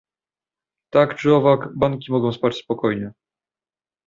Tak czy owak, banki mogą spać spokojnie